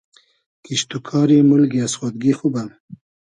کیشت و کاری مولگی از خۉدگی خوبۂ